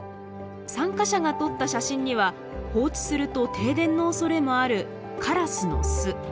参加者が撮った写真には放置すると停電の恐れもあるカラスの巣。